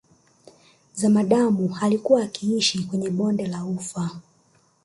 Zamadamu alikuwa akiishi kwenye bonde la Ufa